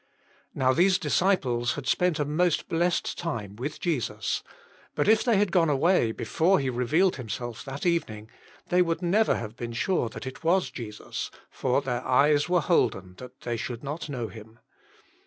Now these disciples had spent a most blessed time with Jesus, but if they had gone away before He revealed Himself that evening, they would never have been sure that it was Jesus, for their eyes were holden that they should not know Him.